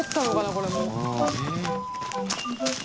これも。